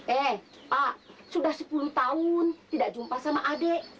eh pak sudah sepuluh tahun tidak jumpa sama adik